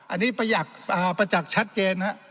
อันนี้ประหยักประจักษ์ชัดเจนฮะ